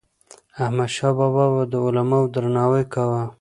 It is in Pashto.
احمدشاه بابا به د علماوو درناوی کاوه.